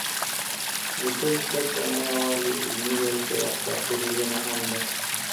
د طب زده کړه نه یوازې علمي، بلکې اخلاقي روزنه هم ده.